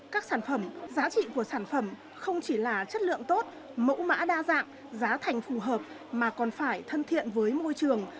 các sản phẩm giá trị của sản phẩm không chỉ là chất lượng tốt mẫu mã đa dạng giá thành phù hợp mà còn phải thân thiện với môi trường